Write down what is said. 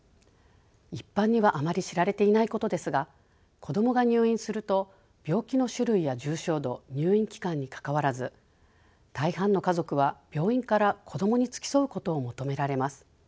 一般にはあまり知られていないことですが子どもが入院すると病気の種類や重症度入院期間にかかわらず大半の家族は病院から子どもに付き添うことを求められます。